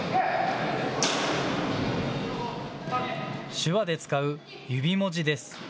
手話で使う指文字です。